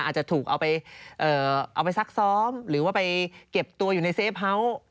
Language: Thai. อาจจะถูกเอาไปซักซ้อมหรือว่าไปเก็บตัวอยู่ในเซฟเฮาส์